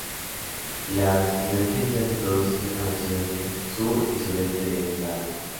Las divergencias se producen al occidente, sur, y sudeste de esta área.